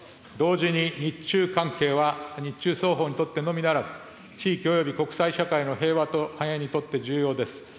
同時に、日中関係は日中双方にとってのみならず、地域および国際社会の平和と繁栄にとって重要です。